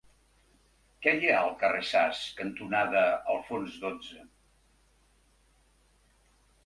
Què hi ha al carrer Sas cantonada Alfons dotze?